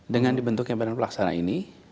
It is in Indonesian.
dengan dibentuknya badan pelaksana ini